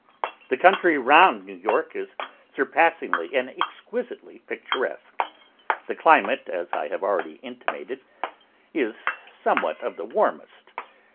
The country round New York is surpassingly and exquisitely picturesque. The climate, as I have already intimated, is somewhat of the warmest.